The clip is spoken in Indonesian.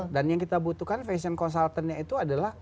dan yang kita butuhkan fashion consultant nya itu adalah